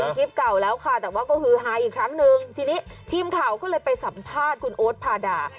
คลิปเก่าแล้วค่ะแต่ว่าก็ฮือฮาอีกครั้งนึงทีนี้ทีมข่าวก็เลยไปสัมภาษณ์คุณโอ๊ตพาดา